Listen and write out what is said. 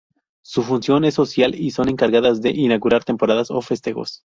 Su función es social y son encargadas de inaugurar temporadas o festejos.